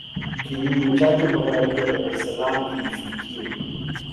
Kinyume chake bandari ya Dar es Salaam ilifikiwa